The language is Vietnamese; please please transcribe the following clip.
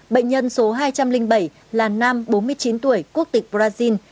bệnh nhân số hai trăm linh bảy là nam bốn mươi chín tuổi quốc tịch brazil